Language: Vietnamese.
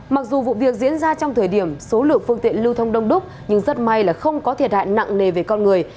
mặc dù vụ việc diễn ra trong thời điểm số lượng phương tiện lưu thông đông đúc nhưng rất may là không có thiệt hại nặng nề về con người